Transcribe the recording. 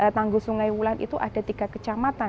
tangan sungai wulan itu ada tiga kejamatan